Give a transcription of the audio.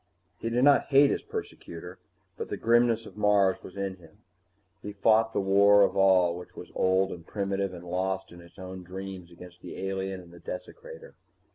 He did not hate his persecutor, but the grimness of Mars was in him. He fought the war of all which was old and primitive and lost in its own dreams against the alien and the desecrator.